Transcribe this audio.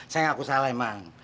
saya ngaku salah emang